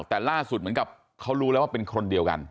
แต่ล่าสุดเหมือนกับเขารู้แล้วว่าเป็นคนเดียวกัน